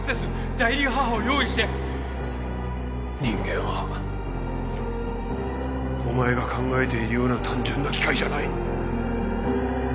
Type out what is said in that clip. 代理母を用意して人間はお前が考えているような単純な機械じゃない。